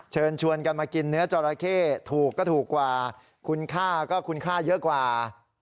เชิญชวนกันมากินเนื้อจอราเข้ถูกก็ถูกกว่าคุณค่าก็คุณค่าเยอะกว่า